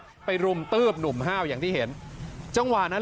ไปรุมตืบหนุ่มห้าวอย่างที่เห็นจังหวะนั้น